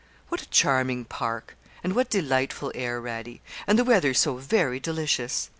'What a charming park! and what delightful air, Radie; and the weather so very delicious.